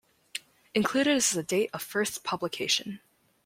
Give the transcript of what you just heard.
Included is the date of first publication.